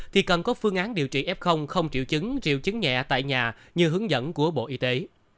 thì cần có phương án điều trị f không triệu chứng triệu chứng nhẹ tại nhà như hướng dẫn của bộ y tế